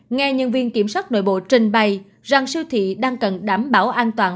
nghe nhân viên kiểm soát nội bộ trình bày rằng siêu thị đang cần đảm bảo an toàn